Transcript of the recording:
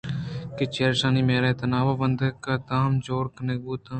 کہ چرایشانی مُہریں تناب ءُ بندیکاں دام جوڑ کنگ بُوتاں